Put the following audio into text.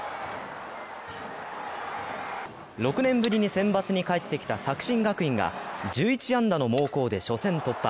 ６年ぶりにセンバツに帰ってきた作新学院が１１安打の猛攻で初戦突破。